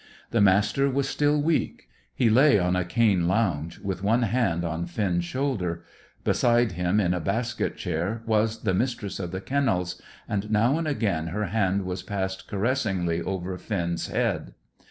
The Master was still weak. He lay on a cane lounge, with one hand on Firm's shoulder. Beside him, in a basket chair, was the Mistress of the Kennels, and now and again her hand was passed caressingly over Finn's head.